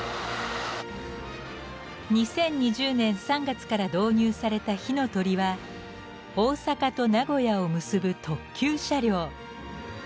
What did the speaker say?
２０２０年３月から導入された「ひのとり」は大阪と名古屋を結ぶ特急車両。